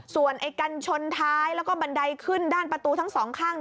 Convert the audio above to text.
ส่วนกันชนท้ายแล้วก็บันไดขึ้นด้านประตูทั้งสองข้าง